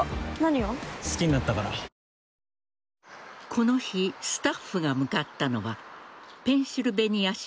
この日スタッフが向かったのはペンシルベニア州